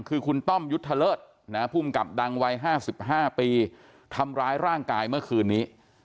คือคุณต้อมยุทธเลิศภูมิกับดังวัย๕๕ปีทำร้ายร่างกายเมื่อคืนนี้